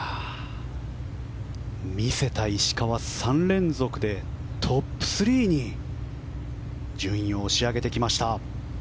見せた石川、３連続でトップ３に順位押し上げました。